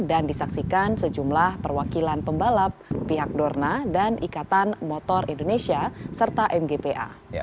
dan disaksikan sejumlah perwakilan pembalap pihak dorna dan ikatan motor indonesia serta mgpa